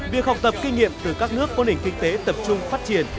việc học tập kinh nghiệm từ các nước có nền kinh tế tập trung phát triển